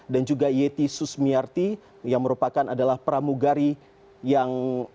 dan juga yeti susmiarti yang merupakan adalah pramugari yang